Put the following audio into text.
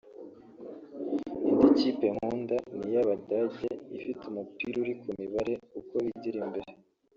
indi kipe nkunda ni iy’Abadage ifite umupira uri ku mibare uko bigira imbere